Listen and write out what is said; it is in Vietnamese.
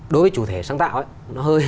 đối với chủ thể sáng tạo